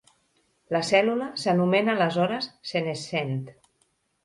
La cèl·lula s'anomena aleshores senescent.